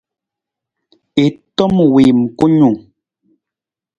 I tom wiim kunung.